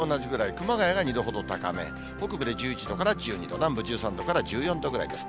熊谷が２度ほど高め、北部で１１度から１２度、南部１３度から１４度ぐらいです。